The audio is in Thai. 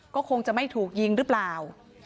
ก็คงจะไม่ถูกยิงหรือเปล่า